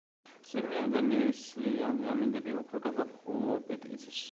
წვიმიანი და ნისლიანი ამინდები უფრო გაზაფხულობით იცის.